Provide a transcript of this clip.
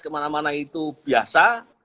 kemana mana itu biasa